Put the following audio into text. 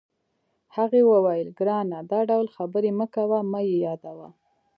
هغې وویل: ګرانه، دا ډول خبرې مه کوه، مه یې یادوه.